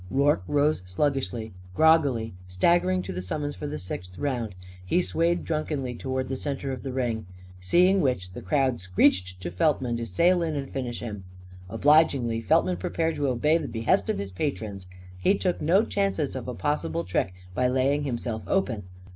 Rorke rose sluggishly, groggily, staggeringly, to the summons for the sixth round. He swayed drunkenly towards the centre of the ring. Seeing which, the crowd screeched to Feltman to sail in and finish him. Obligingly, Feltman prepared to obey the behest of his patrons. He took no chances of a possible trick by laying himself open.